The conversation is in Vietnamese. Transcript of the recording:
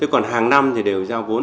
còn hàng năm thì đều giao vốn